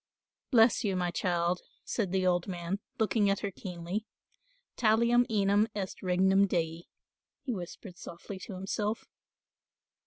"Bless you, my child," said the old man, looking at her keenly, "talium enim est regnum dei," he whispered softly to himself.